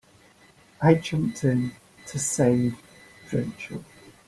I jumped in to save Rachel.